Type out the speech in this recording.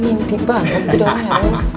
mimpi banget jodohnya